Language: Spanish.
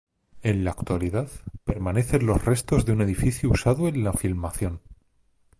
En la actualidad permanecen los restos de un edificio usado en la filmación.